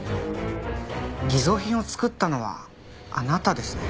偽造品を作ったのはあなたですね？